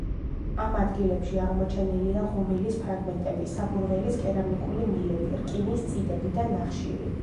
ამ ადგილებში აღმოჩენილია ღუმელის ფრაგმენტები, საბურველის კერამიკული მილები, რკინის წიდები და ნახშირი.